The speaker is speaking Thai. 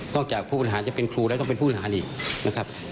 ต้องแก่กากผู้คุณอาหารถ้าเป็นครูและผู้อาหารอย่างออกจากกราช